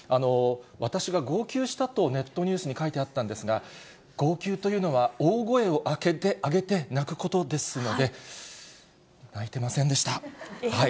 私が号泣したとネットニュースに書いてあったんですが、号泣というのは大声を上げて泣くことですので、泣いてませんでしえへん